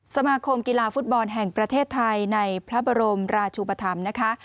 สมาคมกีฬาฟุตบอลแห่งประเทศไทยในพระบรมราชุปธรรมนะคะ